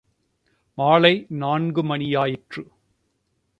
மாலை நான்கு மணியாயிற்று.